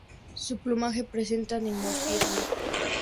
Su plumaje presenta dimorfismo.